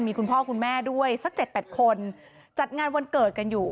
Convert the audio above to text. มีคุณพ่อคุณแม่ด้วยสัก๗๘คนจัดงานวันเกิดกันอยู่